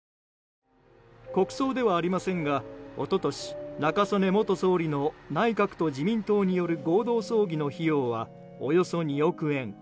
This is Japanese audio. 国葬ではありませんが一昨年、中曽根元総理の内閣と自民党による合同葬儀の費用はおよそ２億円。